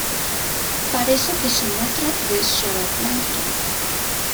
Parece que se nutre de zooplancton.